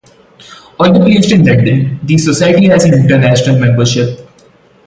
Although based in London, the Society has an international membership.